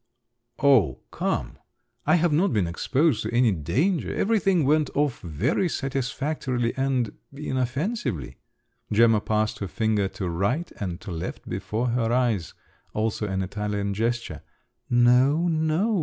"Oh, come! I have not been exposed to any danger. Everything went off very satisfactorily and inoffensively." Gemma passed her finger to right and to left before her eyes … Also an Italian gesture. "No! no!